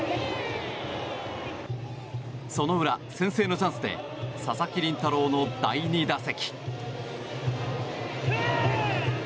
その裏、先制のチャンスで佐々木麟太郎の第２打席。